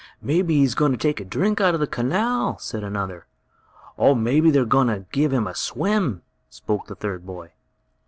"Maybe he's going to take a drink out of the canal," said another. "Maybe they're going to give him a swim," spoke a third boy.